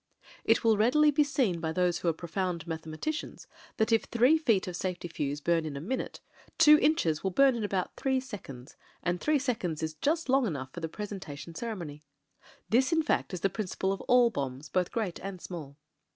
It will readily be seen by those who are profound mathematicians, that if three feet of safety fuze bum in a minute, two inches will bum in about three seconds — and three seconds is just long enough for the presentation ceremony. This in fact is the principal of all bombs both great and small.